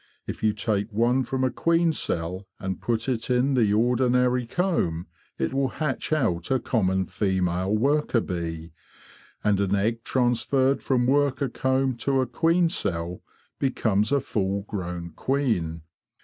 If you take one from a queen cell and put it in the ordinary comb, it will hatch out a common female worker bee: and an egg transferred from worker comb to a queen cell becomes a full grown queen.